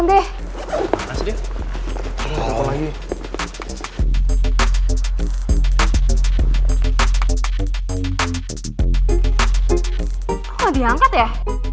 nggak diangkat ya